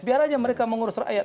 biar aja mereka mengurus rakyat